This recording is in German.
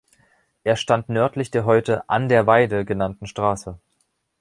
Er stand nördlich der heute "An der Weide" genannten Straße.